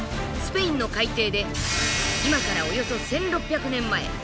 スペインの海底で今からおよそ１，６００年前